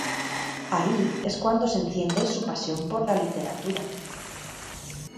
Ahí es cuando se enciende su pasión por la Literatura.